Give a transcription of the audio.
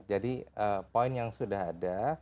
jadi poin yang sudah ada